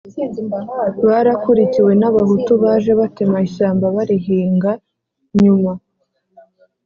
barakurikiwe n'abahutu baje batema ishyamba barihinga. nyuma